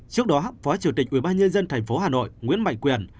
trước đó phó chủ tịch ubnd tp hà nội nguyễn mạnh quyền